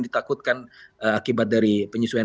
ditakutkan akibat dari penyesuaian